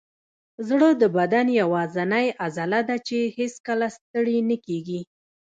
زړه د بدن یوازینی عضله ده چې هیڅکله ستړې نه کېږي.